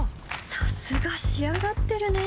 さすが仕上がってるね